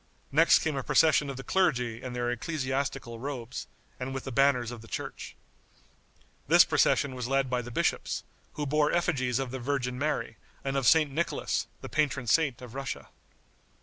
Next came a procession of the clergy in their ecclesiastical robes, and with the banners of the church. This procession was led by the bishops, who bore effigies of the Virgin Mary and of St. Nicholas, the patron saint of Russia.